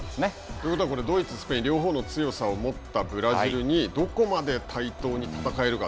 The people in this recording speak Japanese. ということは、これ、ドイツ、スペインの両方の強さを持ったブラジルにどこまで対等に戦えるか。